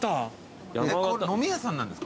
飲み屋さんなんですか？